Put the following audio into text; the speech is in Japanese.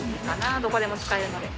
どこでも使えるので。